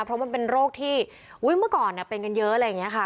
เพราะมันเป็นโรคที่เมื่อก่อนเป็นกันเยอะอะไรอย่างนี้ค่ะ